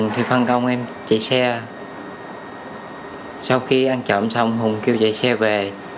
thì phân công em chạy xe sau khi ăn trộm xong hùng kêu chạy xe về